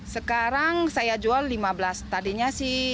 sekarang saya jual lima belas tadinya enam belas